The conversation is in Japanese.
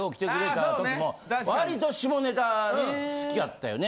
割と下ネタ好きやったよね？